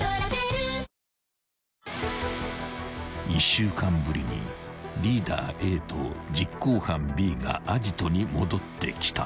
［１週間ぶりにリーダーＡと実行犯Ｂがアジトに戻ってきた］